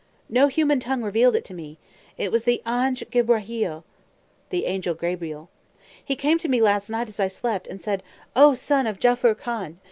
No human tongue revealed it to me. It was the Angè Gibhrayeel. [Footnote: The Angel Gabriel.] He came to me last night as I slept, and said, 'O son of Jaffur Khan!